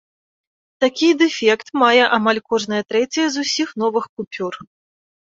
Такі дэфект мае амаль кожная трэцяя з усіх новых купюр.